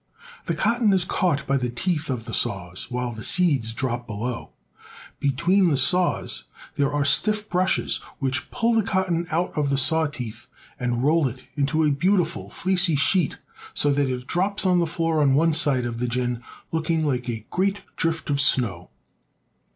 The cotton is caught by the teeth of the saws, while the seeds drop below. Between the saws there are stifT brushes which pull the cotton out of the saw teeth and roll it out in a beautiful, fleecy sheet, so that it drops on the floor on one side of the gin looking like a great drift of snow.